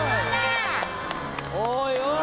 おい！